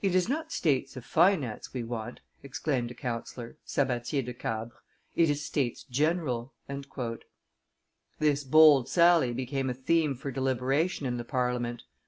"It is not states of finance we want," exclaimed a councillor, Sabatier de Cabre, "it is States general." This bold sally became a theme for deliberation in the Parliament.